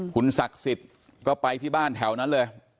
คุณศักดิ์สิทธิ์ก็ไปที่บ้านแถวนั้นเลย